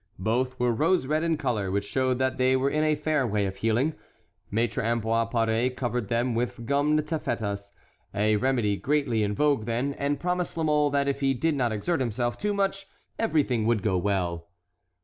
Both were rose red in color, which showed that they were in a fair way of healing. Maître Ambroise Paré covered them with gummed taffetas, a remedy greatly in vogue then, and promised La Mole that if he did not exert himself too much everything would go well.